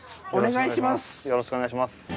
お願いします。